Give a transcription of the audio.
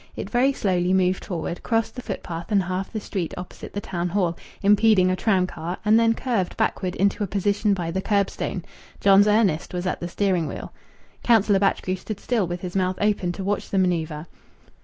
It very slowly moved forward, crossed the footpath and half the street opposite the Town Hall, impeding a tram car, and then curved backward into a position by the kerbstone. John's Ernest was at the steering wheel. Councillor Batchgrew stood still with his mouth open to watch the manoeuvre.